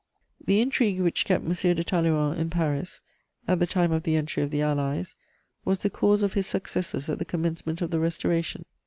The intrigue which kept M. de Talleyrand in Paris, at the time of the entry of the Allies, was the cause of his successes at the commencement of the Restoration.